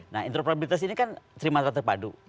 nah interoperabilitas ini kan trimatra terpadu